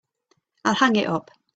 I'll hang it up.